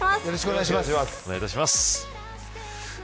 よろしくお願いします。